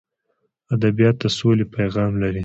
ادبیات د سولې پیغام لري.